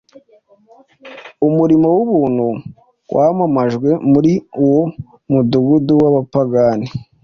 umurimo w’ubuntu wamamajwe muri uwo mudugudu w’abapagani.